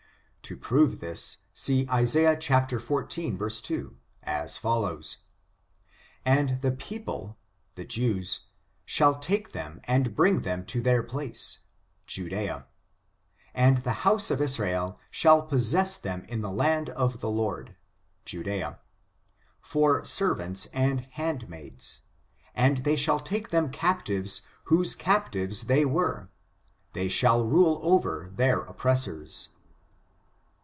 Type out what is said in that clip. To prove this, see Isaiah xiv, 2, as follows : "And the people [the Jews] shall take them and bring them to their place [Judea], and the house of Israel shall possess them in the land of the Lord [Judea], for servants and handmaids: and they shall take them captives whose captives they were ; they shall rule over their oppressors."